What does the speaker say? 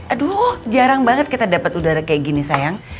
aduh jarang banget kita dapat udara kayak gini sayang